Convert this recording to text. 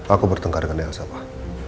aku bertengkar dengan elsa pak